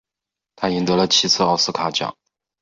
他赢得了七次奥斯卡奖。